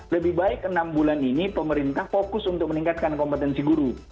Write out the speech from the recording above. lebih baik enam bulan ini pemerintah fokus untuk meningkatkan kompetensi guru